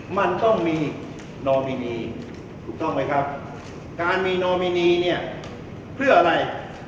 มันต้องมีนอมินีถูกต้องไหมครับการมีนอมินีเนี่ยเพื่ออะไร